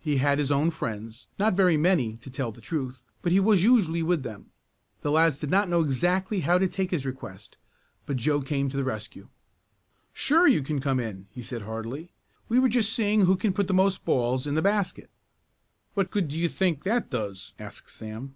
He had his own friends, not very many, to tell the truth, but he was usually with them. The lads did not know exactly how to take his request, but Joe came to the rescue. "Sure you can come in," he said heartily. "We're just seeing who can put the most balls in the basket." "What good do you think that does?" asked Sam.